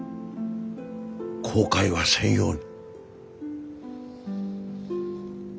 後悔はせんように。